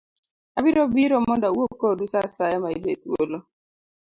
Abiro biro mondo awuo kodu sa asaya muyudoe thuolo.